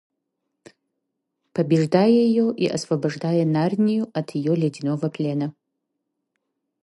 побеждая ее и освобождая Нарнию от ее ледяного плена.